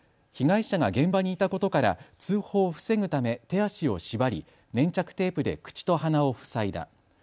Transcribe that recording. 被害者が現場にいたことから通報を防ぐため手足を縛り粘着テープで口と鼻を塞いだ。